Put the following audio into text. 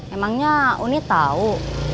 emangnya uni tau